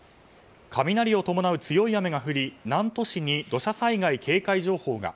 雷を伴う強い雨が降り南砺市に土砂災害警戒情報が。